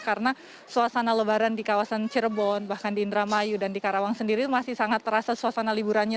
karena suasana lebaran di kawasan cirebon bahkan di indramayu dan di karawang sendiri masih sangat terasa suasana liburannya